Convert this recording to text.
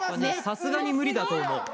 さすがに無理だと思う。